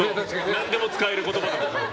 何でも使える言葉だから。